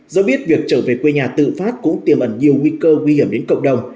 do biết việc trở về quê nhà tự phát cũng tiềm ẩn nhiều nguy cơ nguy hiểm đến cộng đồng